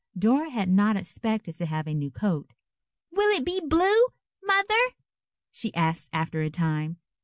Dora had not expected to have a new coat. "Will it be blue, Mother?" she asked after a time.